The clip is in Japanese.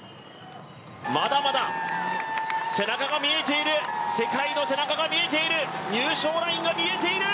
まだまだ背中が見えている世界の背中が見えている入賞ラインが見えている。